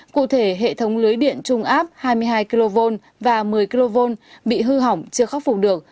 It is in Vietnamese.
cụ thể hệ thống lưới điện trung áp hai mươi hai kv và một mươi kv bị hư hỏng chưa khắc phục được